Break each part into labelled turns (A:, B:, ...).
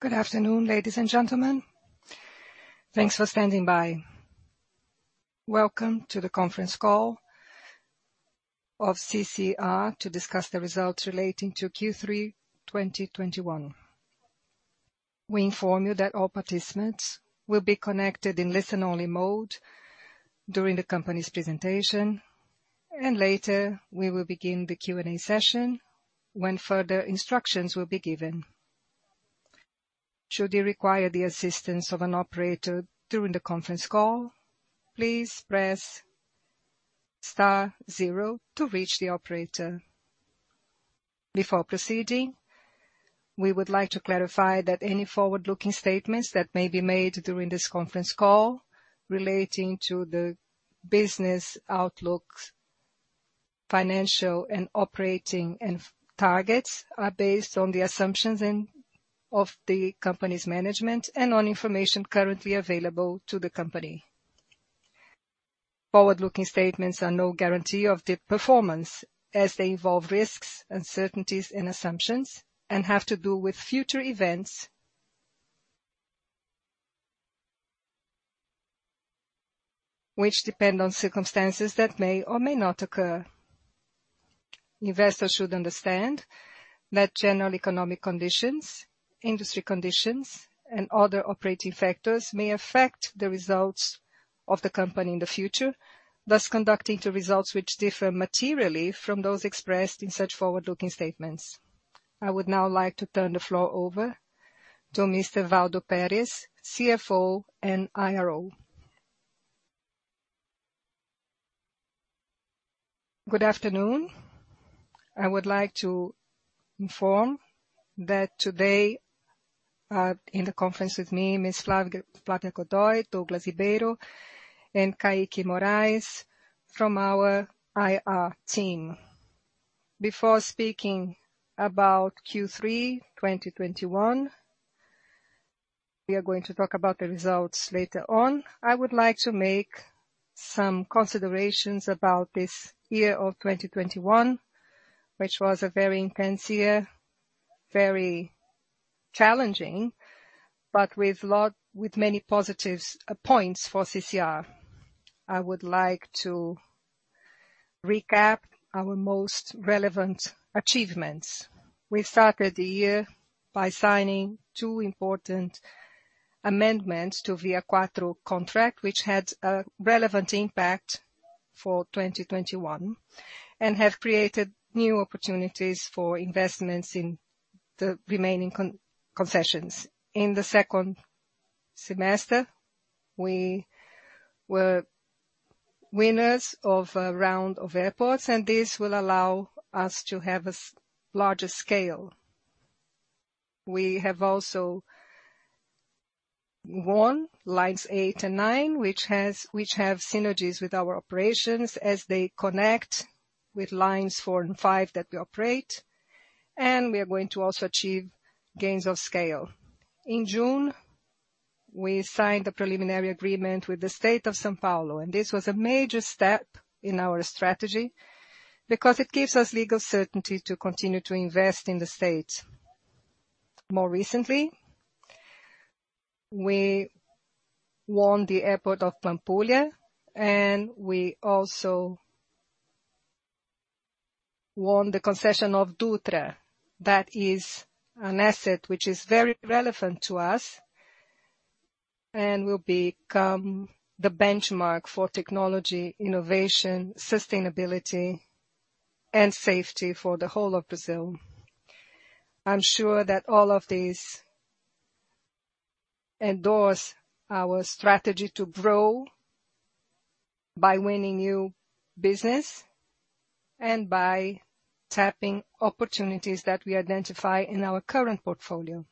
A: Good afternoon, ladies and gentlemen. Thanks for standing by. Welcome to the conference call of CCR to discuss the results relating to Q3 2021. We inform you that all participants will be connected in listen-only mode during the company's presentation, and later we will begin the Q&A session when further instructions will be given. Should you require the assistance of an operator during the conference call, please press star zero to reach the operator. Before proceeding, we would like to clarify that any forward-looking statements that may be made during this conference call relating to the business outlooks, financial and operating targets are based on the assumptions of the company's management and on information currently available to the company. Forward-looking statements are no guarantee of the performance as they involve risks, uncertainties and assumptions, and have to do with future events which depend on circumstances that may or may not occur. Investors should understand that general economic conditions, industry conditions, and other operating factors may affect the results of the company in the future, thus leading to results which differ materially from those expressed in such forward-looking statements. I would now like to turn the floor over to Mr. Waldo Pérez, CFO and IRO.
B: Good afternoon. I would like to inform that today, in the conference with me, Ms. Flávia Godoy, Douglas Ribeiro, and Caíque Moraes from our IR team. Before speaking about Q3 2021, we are going to talk about the results later on. I would like to make some considerations about this year of 2021, which was a very intense year, very challenging, but with many positives, points for CCR. I would like to recap our most relevant achievements. We started the year by signing two important amendments to ViaQuatro contract, which had a relevant impact for 2021, and have created new opportunities for investments in the remaining concessions. In the second semester, we were winners of a round of airports, and this will allow us to have a larger scale. We have also won lines eight and nine, which have synergies with our operations as they connect with lines four and five that we operate, and we are going to also achieve gains of scale. In June, we signed the preliminary agreement with the state of São Paulo, and this was a major step in our strategy because it gives us legal certainty to continue to invest in the state. More recently, we won the airport of Pampulha, and we also won the concession of Dutra. That is an asset which is very relevant to us and will become the benchmark for technology, innovation, sustainability and safety for the whole of Brazil. I'm sure that all of these endorse our strategy to grow by winning new business and by tapping opportunities that we identify in our current portfolio.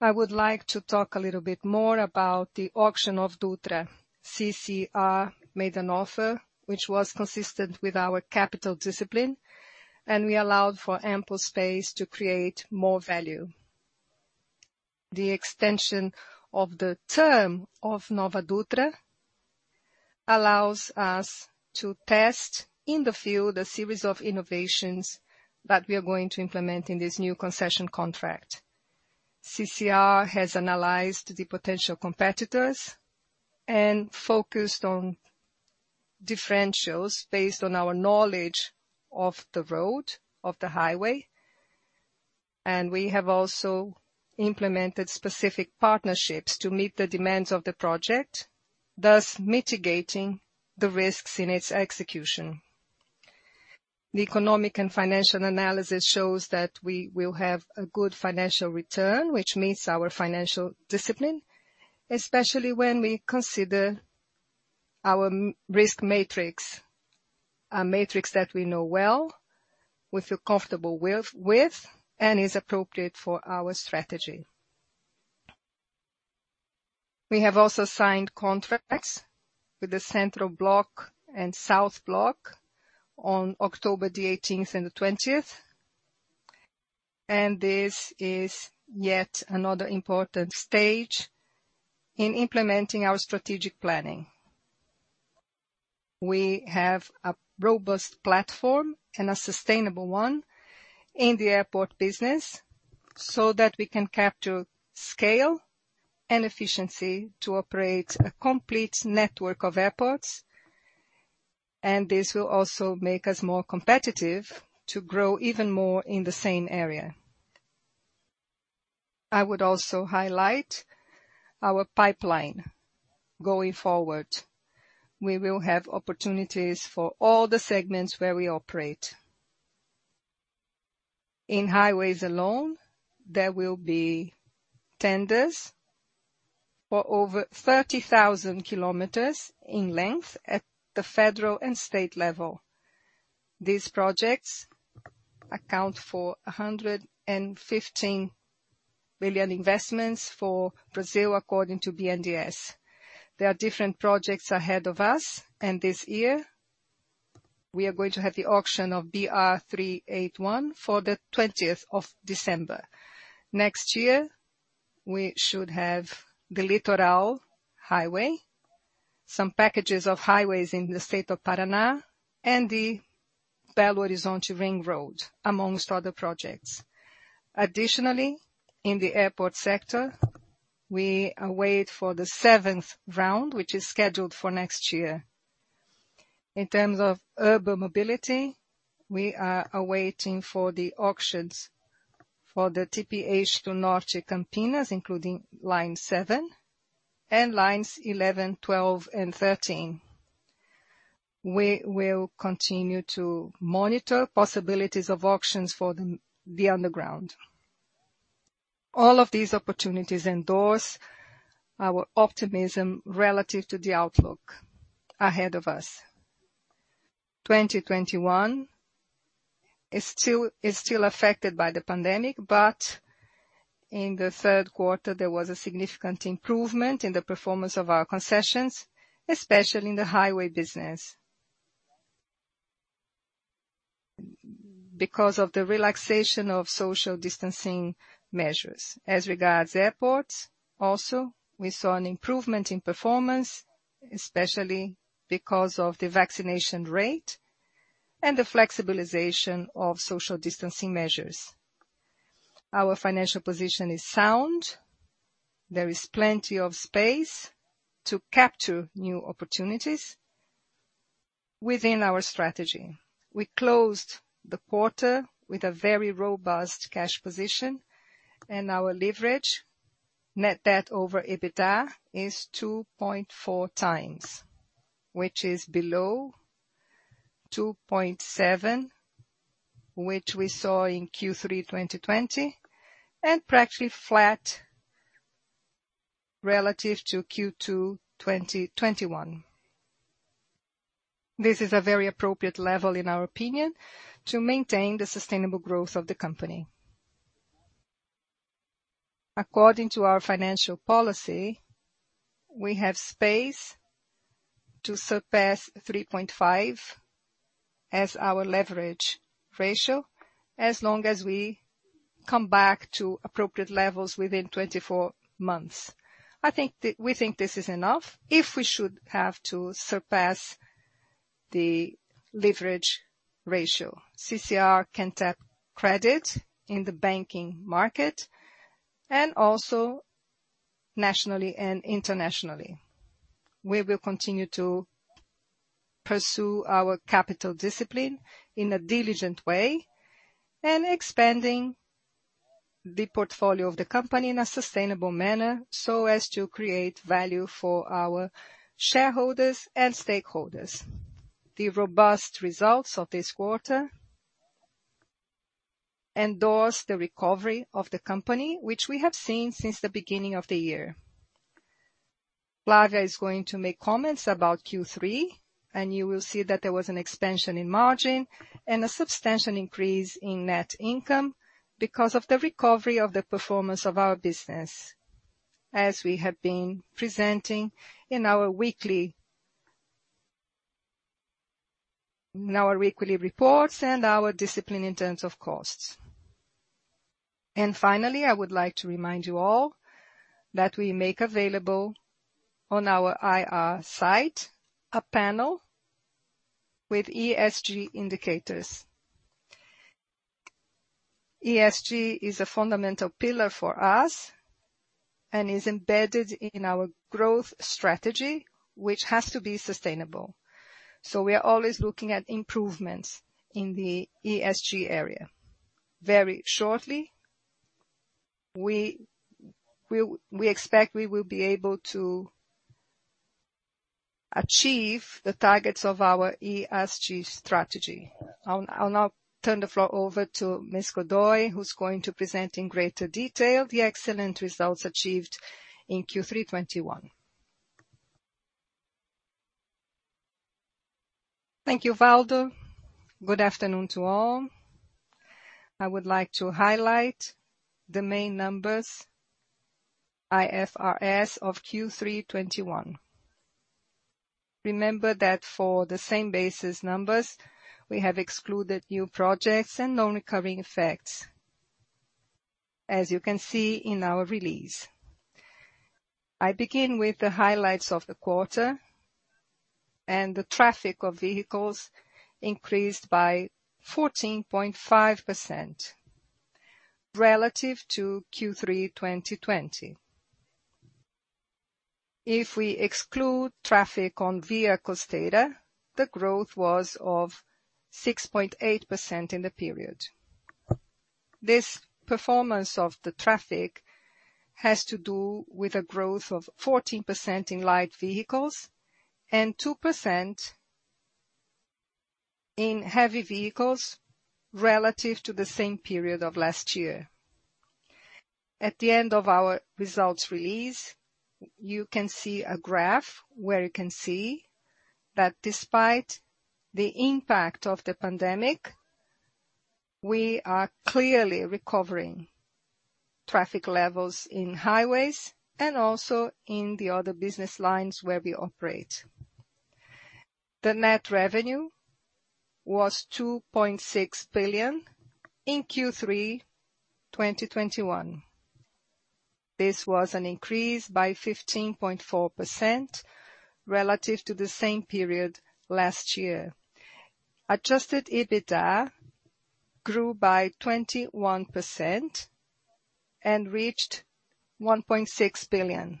B: I would like to talk a little bit more about the auction of Dutra. CCR made an offer which was consistent with our capital discipline, and we allowed for ample space to create more value. The extension of the term of NovaDutra allows us to test in the field a series of innovations that we are going to implement in this new concession contract. CCR has analyzed the potential competitors and focused on differentials based on our knowledge of the road, of the highway, and we have also implemented specific partnerships to meet the demands of the project, thus mitigating the risks in its execution. The economic and financial analysis shows that we will have a good financial return, which meets our financial discipline, especially when we consider our risk matrix, a matrix that we know well, we feel comfortable with, and is appropriate for our strategy. We have also signed contracts with the Central Block and South Block on October 18th and 20th, and this is yet another important stage in implementing our strategic planning. We have a robust platform and a sustainable one in the airport business, so that we can capture scale and efficiency to operate a complete network of airports. This will also make us more competitive to grow even more in the same area. I would also highlight our pipeline going forward. We will have opportunities for all the segments where we operate. In highways alone, there will be tenders for over 30,000 km in length at the federal and state level. These projects account for 115 billion investments for Brazil according to BNDES. There are different projects ahead of us, and this year we are going to have the auction of BR-381 for the 20th of December. Next year, we should have the Litoral highway, some packages of highways in the state of Paraná, and the Belo Horizonte Ring Road, among other projects. Additionally, in the airport sector, we await the seventh round, which is scheduled for next year. In terms of urban mobility, we are awaiting the auctions for the TPH to Norte Campinas, including line seven and lines 11, 12, and 13. We will continue to monitor possibilities of auctions for the underground. All of these opportunities endorse our optimism relative to the outlook ahead of us. 2021 is still affected by the pandemic, but in the third quarter, there was a significant improvement in the performance of our concessions, especially in the highway business because of the relaxation of social distancing measures. As regards airports, also we saw an improvement in performance, especially because of the vaccination rate and the flexibilization of social distancing measures. Our financial position is sound. There is plenty of space to capture new opportunities within our strategy. We closed the quarter with a very robust cash position, and our leverage net debt over EBITDA is 2.4x, which is below 2.7x, which we saw in Q3 2020, and practically flat relative to Q2 2021. This is a very appropriate level, in our opinion, to maintain the sustainable growth of the company. According to our financial policy, we have space to surpass 3.5x as our leverage ratio, as long as we come back to appropriate levels within 24 months. We think this is enough if we should have to surpass the leverage ratio. CCR can tap credit in the banking market and also nationally and internationally. We will continue to pursue our capital discipline in a diligent way and expanding the portfolio of the company in a sustainable manner, so as to create value for our shareholders and stakeholders. The robust results of this quarter endorse the recovery of the company, which we have seen since the beginning of the year. Flávia is going to make comments about Q3, and you will see that there was an expansion in margin and a substantial increase in net income because of the recovery of the performance of our business, as we have been presenting in our weekly reports and our discipline in terms of costs. Finally, I would like to remind you all that we make available on our IR site a panel with ESG indicators. ESG is a fundamental pillar for us and is embedded in our growth strategy, which has to be sustainable. We are always looking at improvements in the ESG area. Very shortly, we expect we will be able to achieve the targets of our ESG strategy. I'll now turn the floor over to Ms. Godoy, who's going to present in greater detail the excellent results achieved in Q3 2021.
C: Thank you, Waldo Pérez. Good afternoon to all. I would like to highlight the main IFRS numbers of Q3 2021. Remember that for the same basis numbers, we have excluded new projects and non-recurring effects. As you can see in our release. I begin with the highlights of the quarter, and the traffic of vehicles increased by 14.5% relative to Q3 2020. If we exclude traffic on ViaCosteira, the growth was of 6.8% in the period. This performance of the traffic has to do with a growth of 14% in light vehicles and 2% in heavy vehicles relative to the same period of last year. At the end of our results release, you can see a graph where you can see that despite the impact of the pandemic, we are clearly recovering traffic levels in highways and also in the other business lines where we operate. The net revenue was 2.6 billion in Q3 2021. This was an increase by 15.4% relative to the same period last year. Adjusted EBITDA grew by 21% and reached 1.6 billion.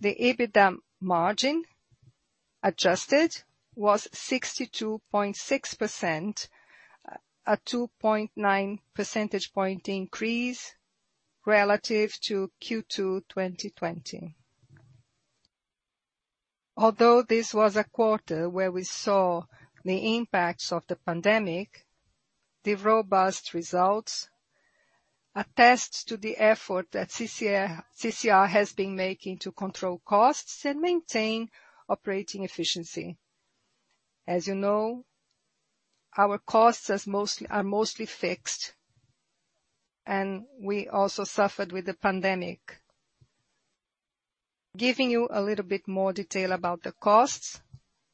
C: The EBITDA margin adjusted was 62.6%, a 2.9 percentage point increase relative to Q2 2020. Although this was a quarter where we saw the impacts of the pandemic, the robust results attest to the effort that CCR has been making to control costs and maintain operating efficiency. As you know, our costs are mostly fixed, and we also suffered with the pandemic. Giving you a little bit more detail about the costs,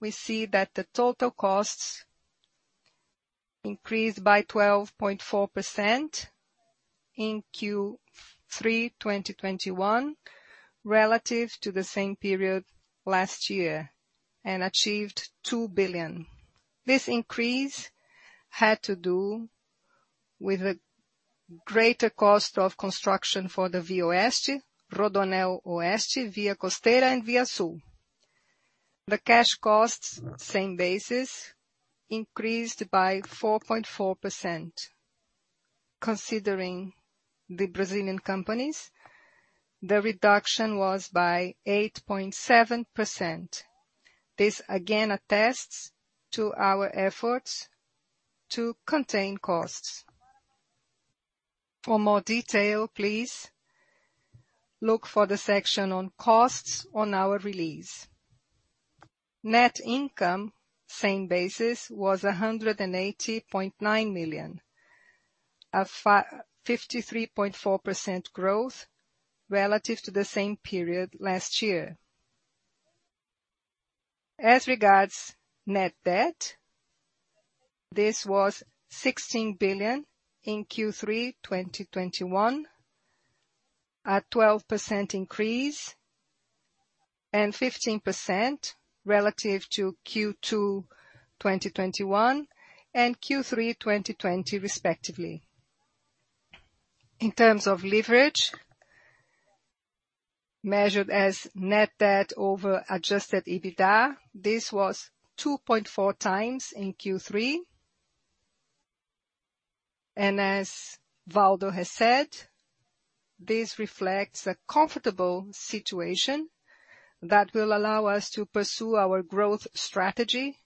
C: we see that the total costs increased by 12.4% in Q3 2021 relative to the same period last year and achieved 2 billion. This increase had to do with a greater cost of construction for the ViaOeste, RodoAnel Oeste, ViaCosteira and ViaSul. The cash costs, same basis, increased by 4.4%. Considering the Brazilian companies, the reduction was by 8.7%. This again attests to our efforts to contain costs. For more detail, please look for the section on costs on our release. Net income, same basis, was 180.9 million, a 53.4% growth relative to the same period last year. As regards net debt, this was 16 billion in Q3 2021, a 12% increase and 15% relative to Q2 2021 and Q3 2020 respectively. In terms of leverage, measured as net debt over adjusted EBITDA, this was 2.4x in Q3. As Waldo has said, this reflects a comfortable situation that will allow us to pursue our growth strategy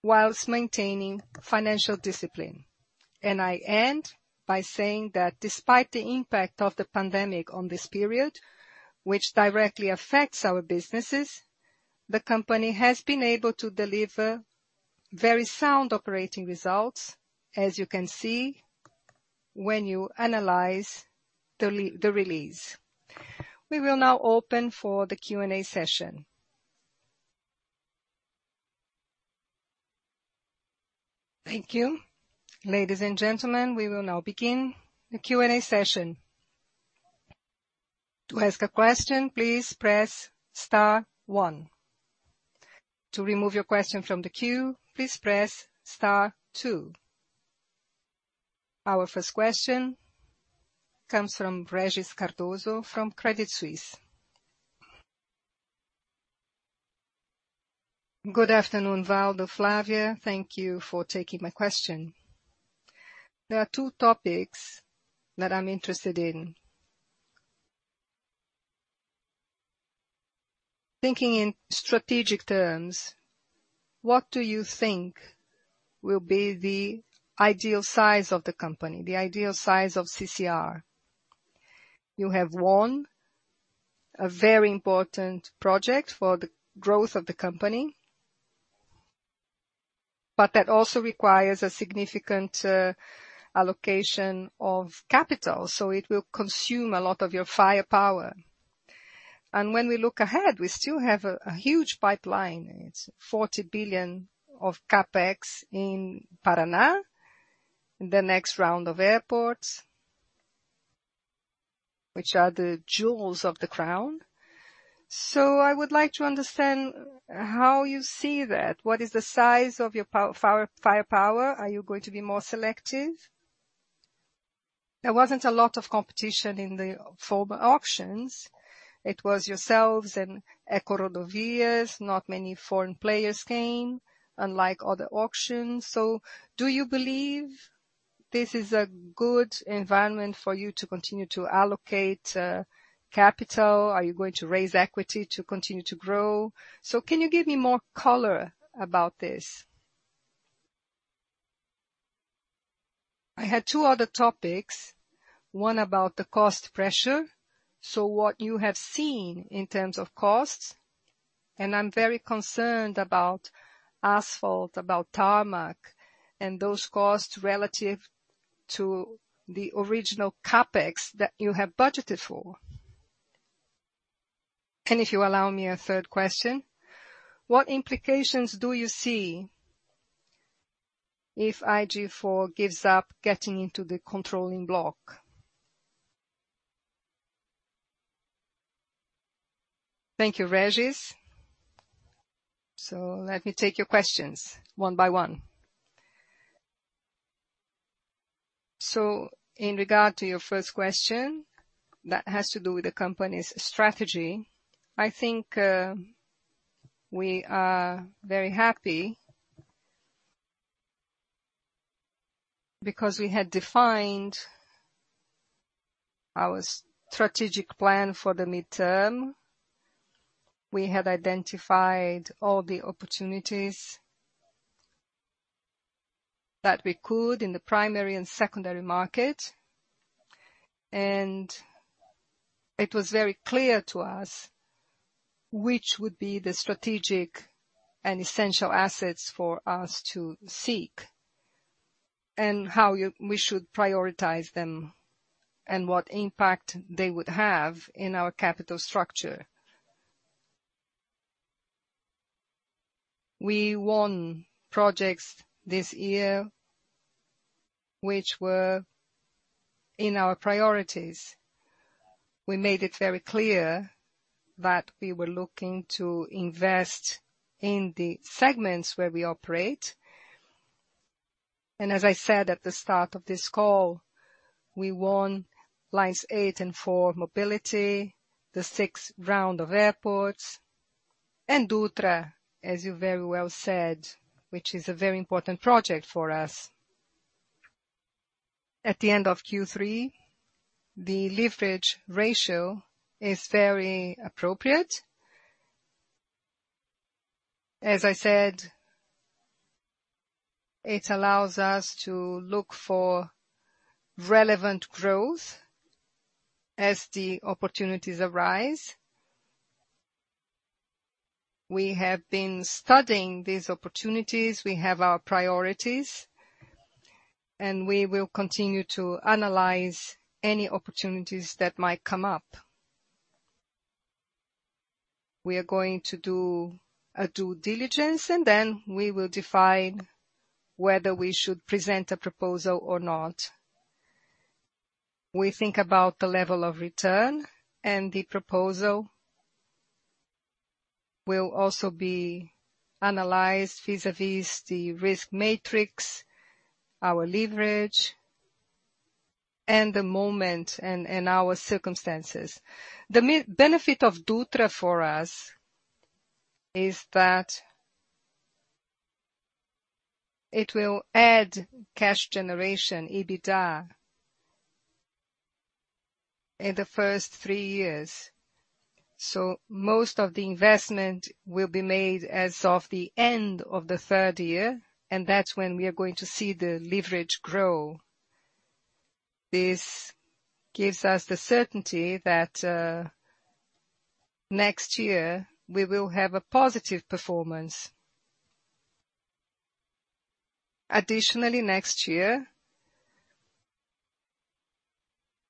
C: while maintaining financial discipline. I end by saying that despite the impact of the pandemic on this period, which directly affects our businesses, the company has been able to deliver very sound operating results, as you can see when you analyze the release. We will now open for the Q&A session. Thank you.
A: Our first question comes from Régis Cardoso from Credit Suisse.
D: Good afternoon, Waldo Perez, Flávia Godoy. Thank you for taking my question. There are two topics that I'm interested in. Thinking in strategic terms, what do you think will be the ideal size of the company, the ideal size of CCR? You have won a very important project for the growth of the company, but that also requires a significant allocation of capital, so it will consume a lot of your firepower. When we look ahead, we still have a huge pipeline. It's 40 billion of CapEx in Paraná, the next round of airports, which are the jewels of the crown. I would like to understand how you see that. What is the size of your firepower? Are you going to be more selective? There wasn't a lot of competition in the former auctions. It was yourselves and EcoRodovias. Not many foreign players came, unlike other auctions. Do you believe this is a good environment for you to continue to allocate capital? Are you going to raise equity to continue to grow? Can you give me more color about this? I had two other topics, one about the cost pressure, so what you have seen in terms of costs, and I'm very concerned about asphalt, about tarmac, and those costs relative to the original CapEx that you have budgeted for. If you allow me a third question, what implications do you see if IG4 gives up getting into the controlling block?
B: Thank you, Régis. Let me take your questions one by one. In regard to your first question, that has to do with the company's strategy. I think we are very happy because we had defined our strategic plan for the midterm. We had identified all the opportunities that we could in the primary and secondary market, and it was very clear to us which would be the strategic and essential assets for us to seek and how we should prioritize them and what impact they would have in our capital structure. We won projects this year which were in our priorities. We made it very clear that we were looking to invest in the segments where we operate, and as I said at the start of this call, we won lines eight and four of mobility, the 6th round of airports, and Dutra, as you very well said, which is a very important project for us. At the end of Q3, the leverage ratio is very appropriate. As I said, it allows us to look for relevant growth as the opportunities arise. We have been studying these opportunities. We have our priorities, and we will continue to analyze any opportunities that might come up. We are going to do a due diligence, and then we will define whether we should present a proposal or not. We think about the level of return, and the proposal will also be analyzed vis-a-vis the risk matrix, our leverage and the moment and our circumstances. The main benefit of Dutra for us is that it will add cash generation, EBITDA in the first three years. Most of the investment will be made as of the end of the third year, and that's when we are going to see the leverage grow. This gives us the certainty that next year we will have a positive performance. Additionally, next year,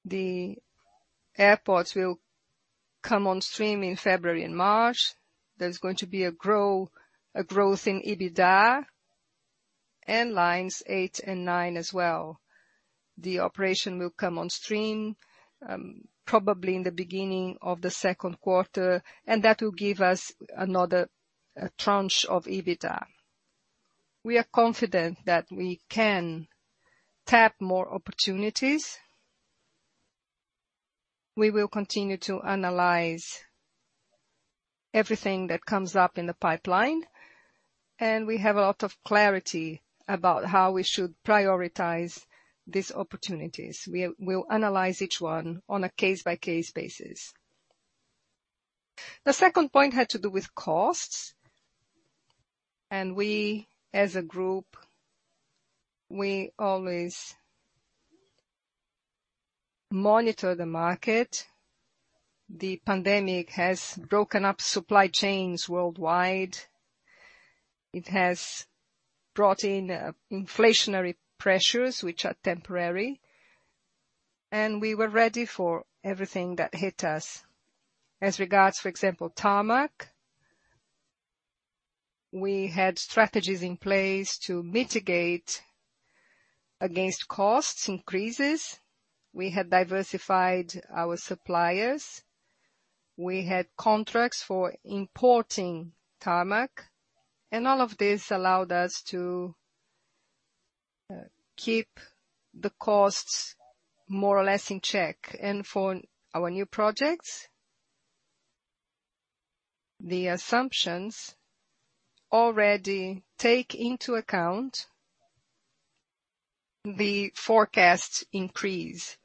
B: the airports will come on stream in February and March. There's going to be a growth in EBITDA and lines eight and nine as well. The operation will come on stream, probably in the beginning of the second quarter, and that will give us another tranche of EBITDA. We are confident that we can tap more opportunities. We will continue to analyze everything that comes up in the pipeline, and we have a lot of clarity about how we should prioritize these opportunities. We'll analyze each one on a case-by-case basis. The second point had to do with costs, and we, as a group, always monitor the market. The pandemic has broken up supply chains worldwide. It has brought in inflationary pressures which are temporary, and we were ready for everything that hit us. As regards, for example, tarmac, we had strategies in place to mitigate against cost increases. We had diversified our suppliers. We had contracts for importing tarmac, and all of this allowed us to keep the costs more or less in check. For our new projects, the assumptions already take into account the forecast increase.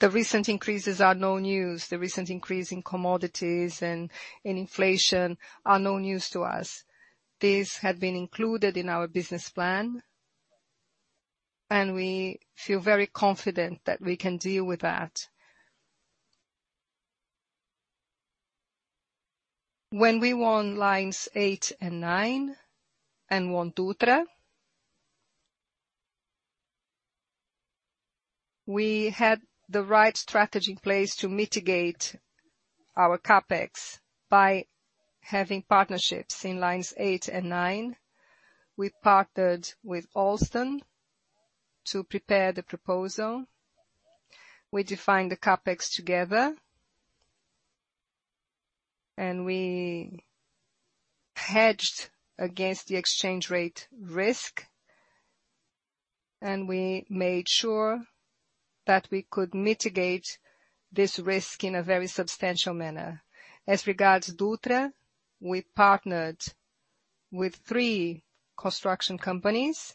B: The recent increases are no news. The recent increase in commodities and in inflation are no news to us. These have been included in our business plan, and we feel very confident that we can deal with that. When we won lines eight and nine and won Dutra, we had the right strategy in place to mitigate our CapEx by having partnerships. In lines eight and nine, we partnered with Alstom to prepare the proposal. We defined the CapEx together. We hedged against the exchange rate risk, and we made sure that we could mitigate this risk in a very substantial manner. As regards Dutra, we partnered with three construction companies.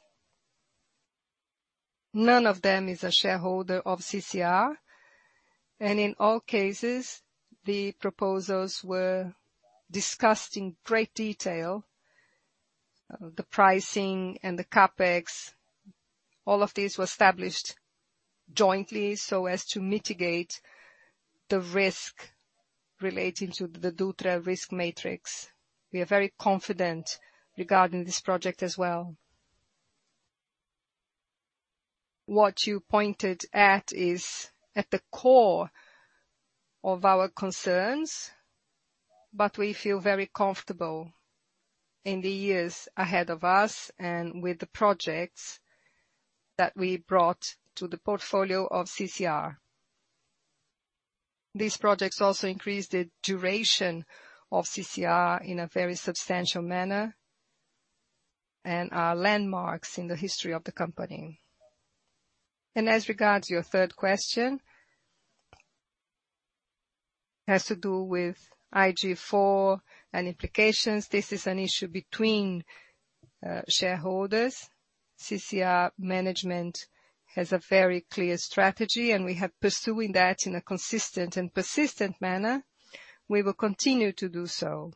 B: None of them is a shareholder of CCR, and in all cases, the proposals were discussed in great detail. The pricing and the CapEx, all of this was established jointly so as to mitigate the risk relating to the Dutra risk matrix. We are very confident regarding this project as well. What you pointed at is at the core of our concerns, but we feel very comfortable in the years ahead of us and with the projects that we brought to the portfolio of CCR. These projects also increased the duration of CCR in a very substantial manner and are landmarks in the history of the company. As regards your third question, it has to do with IG4 and implications. This is an issue between shareholders. CCR management has a very clear strategy, and we have pursuing that in a consistent and persistent manner. We will continue to do so.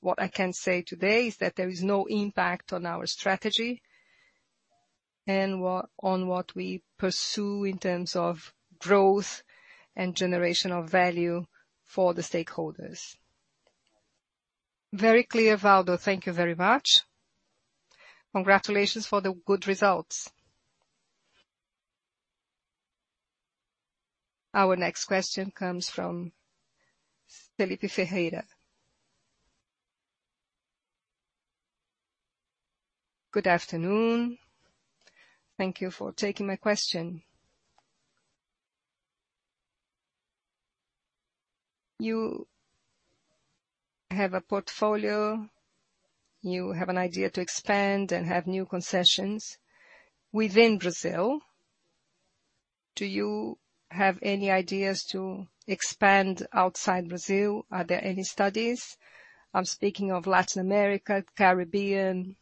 B: What I can say today is that there is no impact on our strategy and on what we pursue in terms of growth and generation of value for the stakeholders.
D: Very clear, Waldo. Thank you very much. Congratulations for the good results.
A: Our next question comes from [Felipe Ferreira].
E: Good afternoon. Thank you for taking my question. You have a portfolio. You have an idea to expand and have new concessions within Brazil. Do you have any ideas to expand outside Brazil? Are there any studies? I'm speaking of Latin America, Caribbean,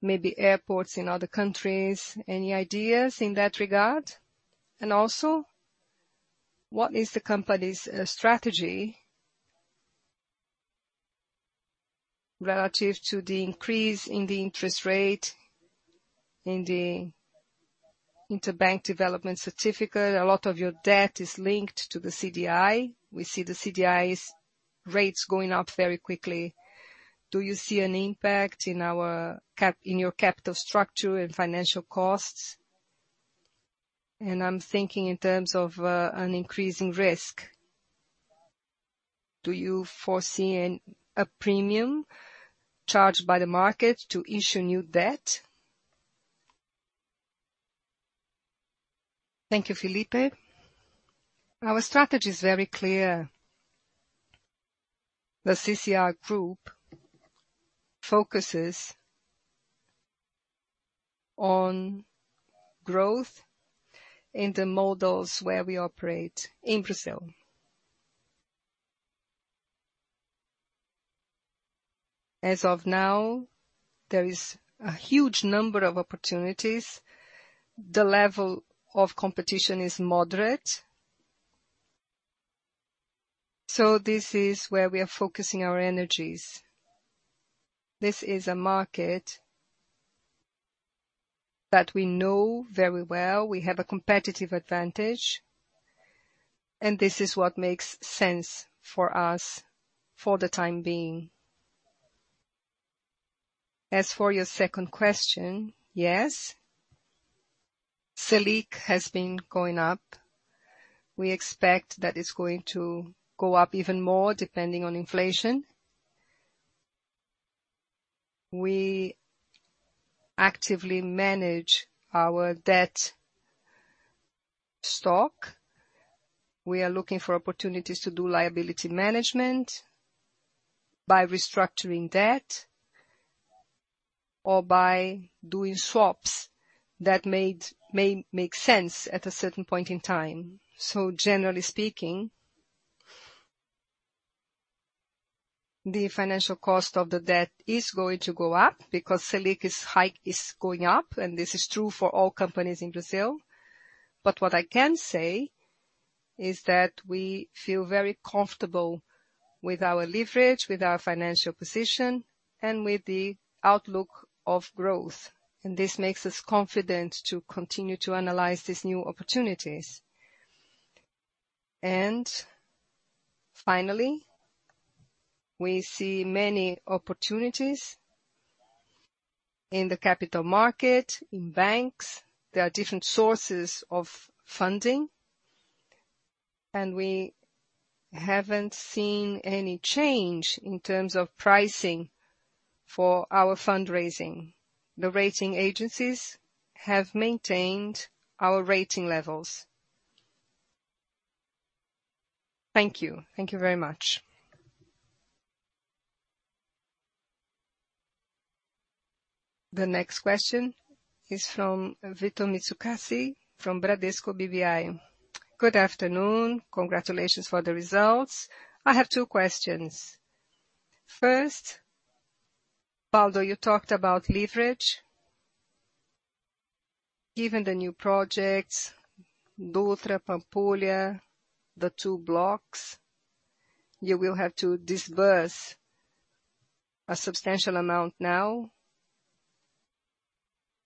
E: maybe airports in other countries. Any ideas in that regard? What is the company's strategy relative to the increase in the interest rate in the Interbank Deposit Certificate? A lot of your debt is linked to the CDI. We see the CDI's rates going up very quickly. Do you see an impact in your capital structure and financial costs? I'm thinking in terms of an increasing risk. Do you foresee a premium charged by the market to issue new debt?
B: Thank you, Felipe. Our strategy is very clear. The CCR group focuses on growth in the models where we operate in Brazil. As of now, there is a huge number of opportunities. The level of competition is moderate. This is where we are focusing our energies. This is a market that we know very well. We have a competitive advantage, and this is what makes sense for us for the time being. As for your second question, yes, Selic has been going up. We expect that it's going to go up even more depending on inflation. We actively manage our debt stock. We are looking for opportunities to do liability management by restructuring debt or by doing swaps that may make sense at a certain point in time. Generally speaking, the financial cost of the debt is going to go up because Selic is going up, and this is true for all companies in Brazil. What I can say is that we feel very comfortable with our leverage, with our financial position, and with the outlook of growth. This makes us confident to continue to analyze these new opportunities. Finally, we see many opportunities in the capital market, in banks. There are different sources of funding, and we haven't seen any change in terms of pricing for our fundraising. The rating agencies have maintained our rating levels.
E: Thank you. Thank you very much.
A: The next question is from Victor Mizusaki from Bradesco BBI.
F: Good afternoon. Congratulations for the results. I have two questions. First, Waldo, you talked about leverage. Given the new projects, Dutra, Pampulha, the two blocks, you will have to disburse a substantial amount now.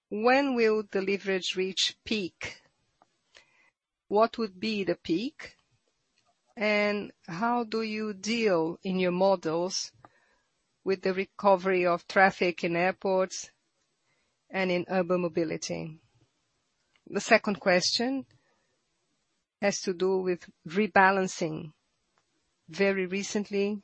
F: When will the leverage reach peak? What would be the peak? And how do you deal in your models with the recovery of traffic in airports and in urban mobility? The second question has to do with rebalancing. Very recently,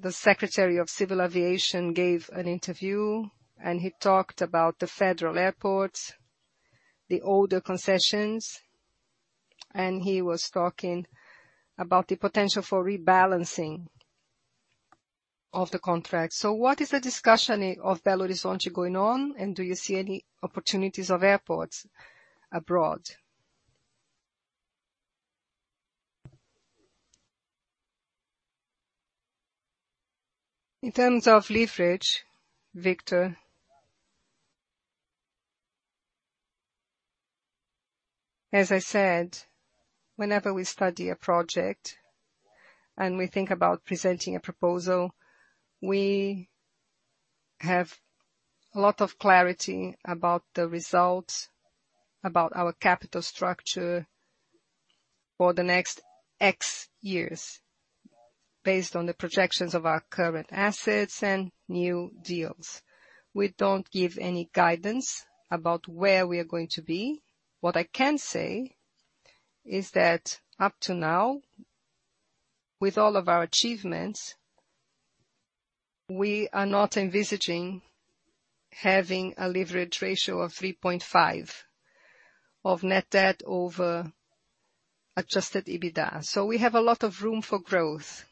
F: the Secretary of Civil Aviation gave an interview, and he talked about the federal airports, the older concessions, and he was talking about the potential for rebalancing of the contract. What is the discussion of Belo Horizonte going on, and do you see any opportunities of airports abroad?
B: In terms of leverage, Victor, as I said, whenever we study a project and we think about presenting a proposal, we have a lot of clarity about the results, about our capital structure for the next X years based on the projections of our current assets and new deals. We don't give any guidance about where we are going to be. What I can say is that up to now, with all of our achievements, we are not envisaging having a leverage ratio of 3.5 of net debt over adjusted EBITDA. We have a lot of room for growth.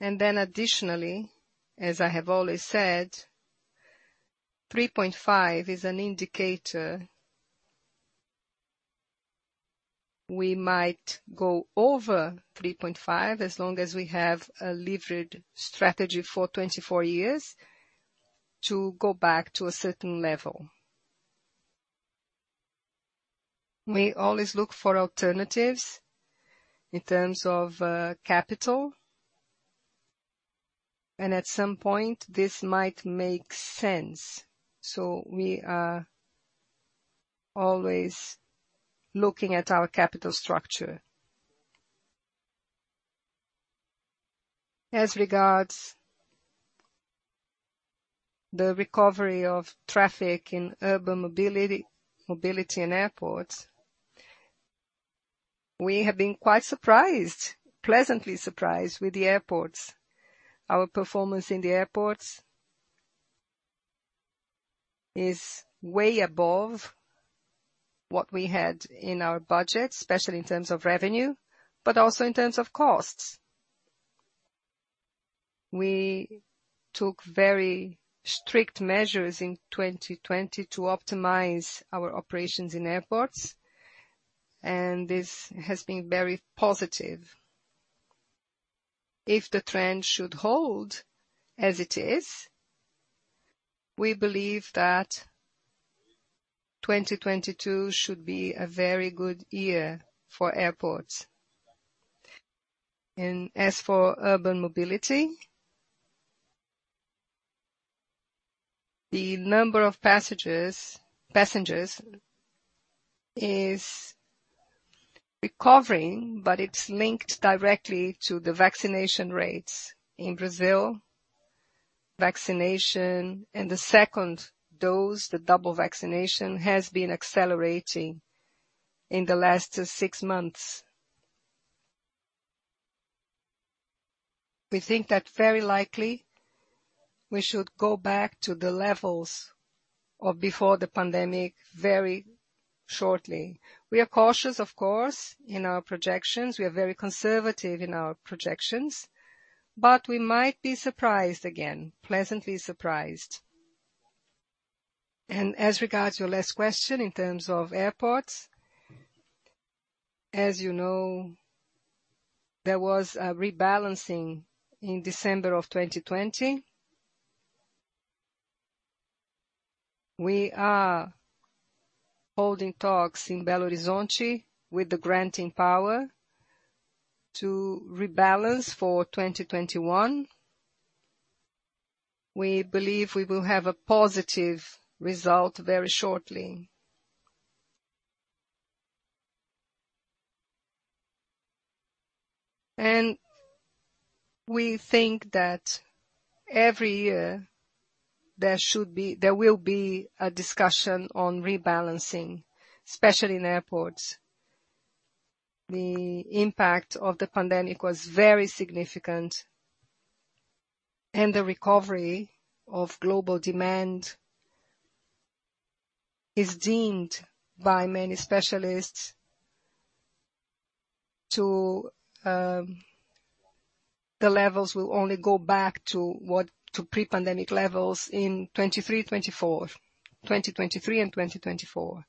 B: Additionally, as I have always said, 3.5 is an indicator. We might go over 3.5 as long as we have a leverage strategy for 24 years to go back to a certain level. We always look for alternatives in terms of capital, and at some point this might make sense. We are always looking at our capital structure. As regards the recovery of traffic in urban mobility and airports, we have been quite surprised, pleasantly surprised with the airports. Our performance in the airports is way above what we had in our budget, especially in terms of revenue, but also in terms of costs. We took very strict measures in 2020 to optimize our operations in airports, and this has been very positive. If the trend should hold as it is, we believe that 2022 should be a very good year for airports. As for urban mobility, the number of passengers is recovering, but it's linked directly to the vaccination rates in Brazil. Vaccination and the second dose, the double vaccination, has been accelerating in the last six months. We think that very likely we should go back to the levels of before the pandemic very shortly. We are cautious, of course, in our projections. We are very conservative in our projections. We might be surprised again, pleasantly surprised. As regards to your last question, in terms of airports, as you know, there was a rebalancing in December of 2020. We are holding talks in Belo Horizonte with the granting power to rebalance for 2021. We believe we will have a positive result very shortly. We think that every year there will be a discussion on rebalancing, especially in airports. The impact of the pandemic was very significant, and the recovery of global demand is deemed by many specialists to the levels will only go back to pre-pandemic levels in 2023, 2024. 2023 and 2024.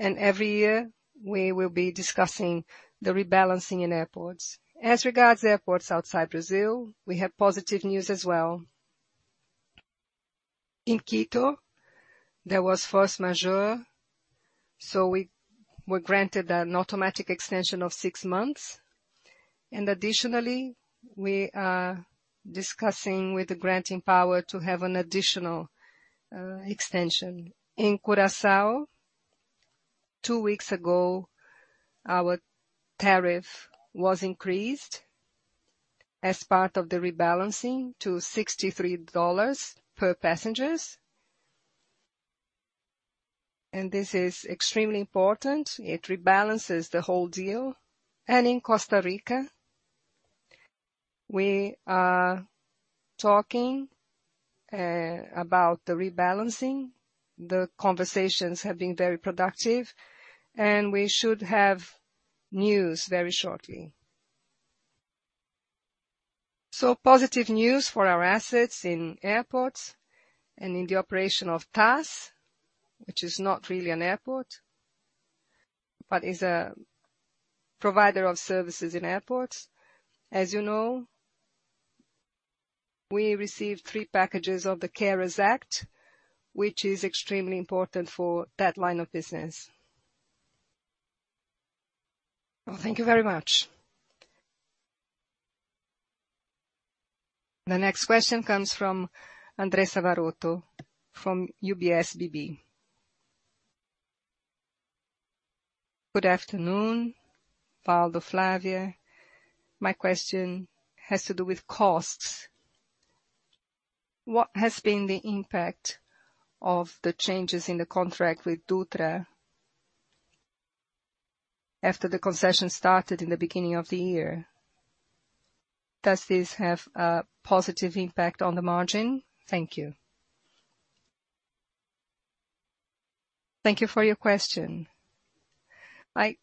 B: Every year we will be discussing the rebalancing in airports. As regards to airports outside Brazil, we have positive news as well. In Quito, there was force majeure, so we were granted an automatic extension of six months. Additionally, we are discussing with the granting power to have an additional extension. In Curaçao two weeks ago, our tariff was increased as part of the rebalancing to $63 per passenger. This is extremely important. It rebalances the whole deal. In Costa Rica, we are talking about the rebalancing. The conversations have been very productive, and we should have news very shortly. Positive news for our assets in airports and in the operation of TAS, which is not really an airport, but is a provider of services in airports. As you know, we received three packages of the CARES Act, which is extremely important for that line of business.
F: Well, thank you very much.
A: The next question comes from Andressa Varotto from UBS BB.
G: Good afternoon, Waldo, Flávia. My question has to do with costs. What has been the impact of the changes in the contract with Dutra after the concession started in the beginning of the year? Does this have a positive impact on the margin? Thank you.
B: Thank you for your question. I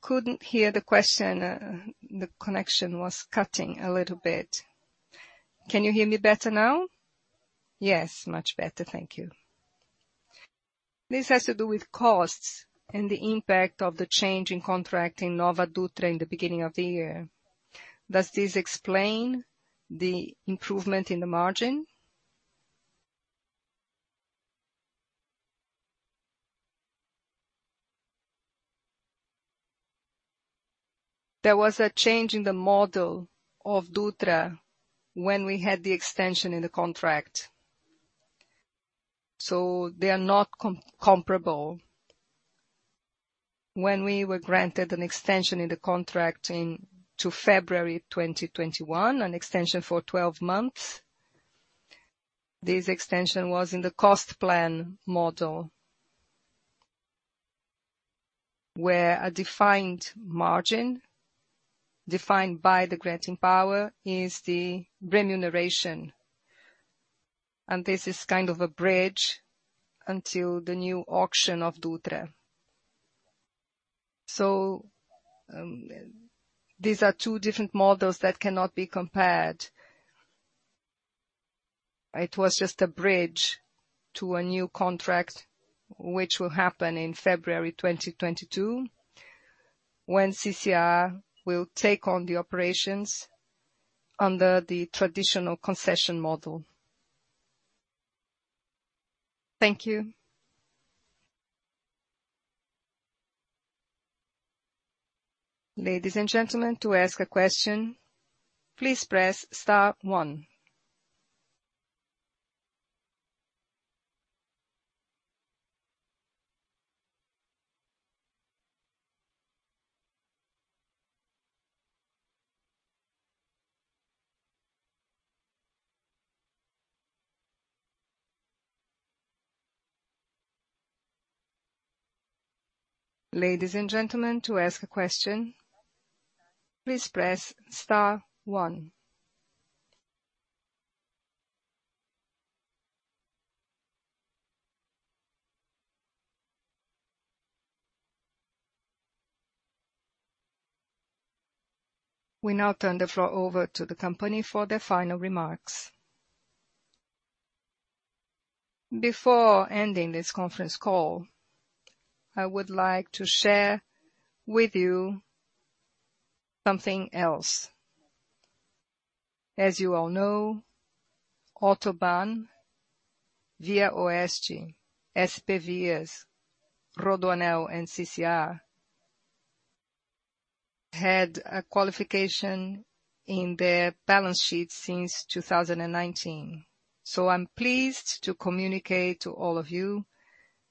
B: couldn't hear the question. The connection was cutting a little bit. Can you hear me better now?
G: Yes, much better. Thank you.
B: This has to do with costs and the impact of the change in contract in NovaDutra in the beginning of the year. Does this explain the improvement in the margin? There was a change in the model of Dutra when we had the extension in the contract, so they are not comparable. When we were granted an extension in the contract into February 2021, an extension for 12 months, this extension was in the cost-plus model, where a defined margin, defined by the granting power, is the remuneration. This is kind of a bridge until the new auction of Dutra. These are two different models that cannot be compared. It was just a bridge to a new contract, which will happen in February 2022, when CCR will take on the operations under the traditional concession model.
G: Thank you.
B: Before ending this conference call, I would like to share with you something else. As you all know, AutoBAn, ViaOeste, SPVias, RodoAnel, and CCR had a qualification in their balance sheet since 2019. I'm pleased to communicate to all of you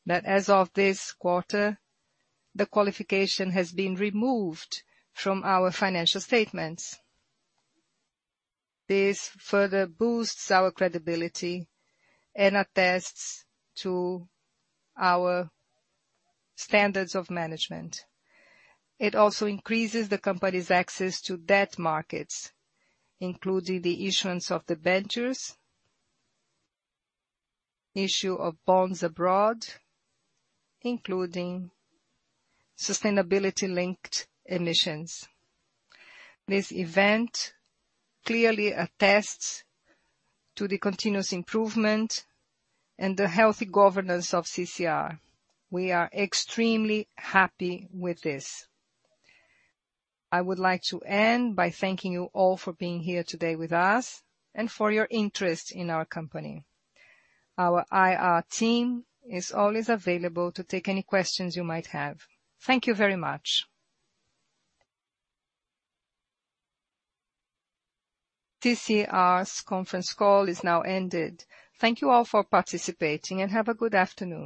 B: that as of this quarter, the qualification has been removed from our financial statements. This further boosts our credibility and attests to our standards of management. It also increases the company's access to debt markets, including the issuance of debentures, issue of bonds abroad, including sustainability-linked emissions. This event clearly attests to the continuous improvement and the healthy governance of CCR. We are extremely happy with this. I would like to end by thanking you all for being here today with us, and for your interest in our company. Our IR team is always available to take any questions you might have. Thank you very much.
A: CCR's conference call is now ended. Thank you all for participating, and have a good afternoon.